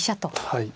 はい。